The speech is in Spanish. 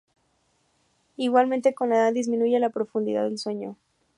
Igualmente, con la edad disminuye la profundidad del sueño.